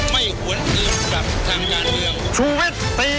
ไม่ควรเลวกับทางงานเดียว